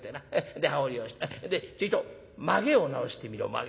で羽織をちょいとまげを直してみろまげ。